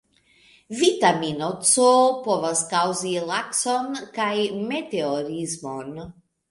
Vitamino C povas kaŭzi lakson kaj meteorismon.